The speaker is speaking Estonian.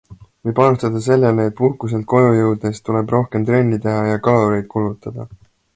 Või panustada sellele, et puhkuselt koju jõudes tuleb rohkem trenni teha ja kaloreid kulutada.